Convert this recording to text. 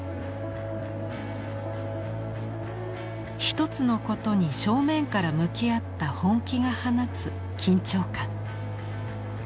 一つのことに正面から向き合った本気が放つ緊張感。